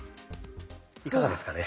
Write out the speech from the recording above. いかがですかね。